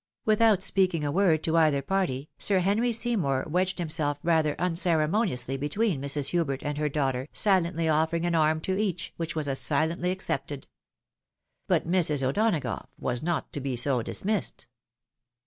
Without speaking a word to either party, Sir Henry Seymour wedged mmself rather unceremoniously between Mrs. Hubert and her A MAGICAI, MONOSYLLABLE. 343 daughter, silently offering an arm to each, which was as silently accepted. But JV'Irs. 0'l)onagough was not to be so dismissed.